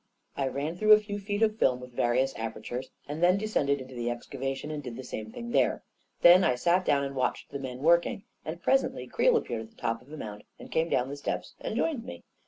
I ran through a few feet of film with various apertures, and then descended into the excavation and did the same thing there. Then I sat down and watched the men working, and presently Creel appeared at the top of the mound, and came down the steps and joined me.